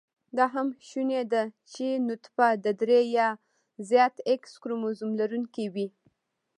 دا هم شونې ده چې نطفه د درې يا زیات x کروموزم لرونېکې وي